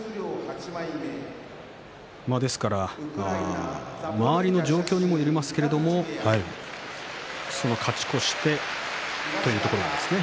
ですから周りの状況にもよりますけれども勝ち越してというところですね